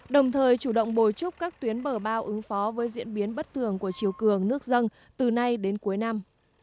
đồng thời chủ động bồi trúc các tuyến bờ bao ứng phó với diễn biến bất thường của chiều cường nước dâng từ nay đến cuối năm